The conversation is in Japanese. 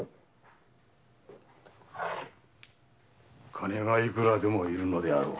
金がいくらでも要るのであろう。